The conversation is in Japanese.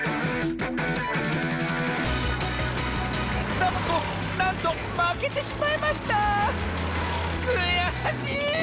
サボ子なんとまけてしまいましたくやしい！